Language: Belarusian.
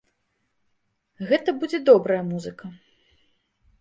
Гэта будзе добрая музыка!